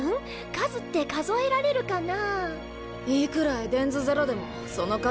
数って数えられるかな？